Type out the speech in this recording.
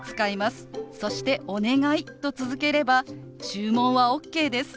そして「お願い」と続ければ注文はＯＫです。